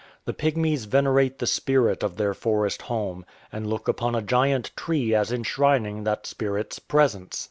The Pygmies venerate the Spirit of their forest home, and look upon a giant tree as enshrin ing that Spirit's presence.